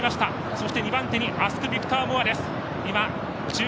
そして２番手にアスクビクターモアです。